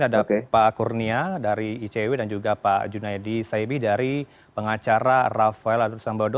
terhadap pak kurnia dari icw dan juga pak junaidi saibi dari pengacara raffaello terusambodo